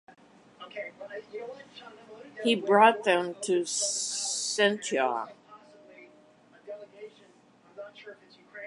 He brought them to Ceuta.